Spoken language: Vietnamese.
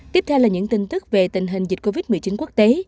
tiếp theo là những tin tức về tình hình dịch covid một mươi chín quốc tế